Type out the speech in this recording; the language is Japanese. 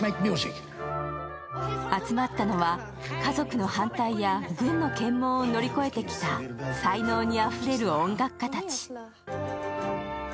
集まったのは、家族の反対や軍の検問を乗り越えてきた才能にあふれる音楽家たち。